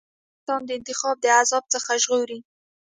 ضرورت انسان د انتخاب د عذاب څخه ژغوري.